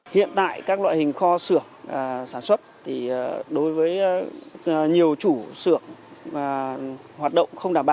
hiện tại các loại hình kho sửa sản xuất đối với nhiều chủ sửa hoạt động không đảm bảo